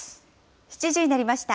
７時になりました。